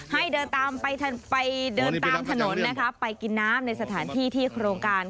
ให้เดินตามไปเดินตามถนนนะคะไปกินน้ำในสถานที่ที่โครงการ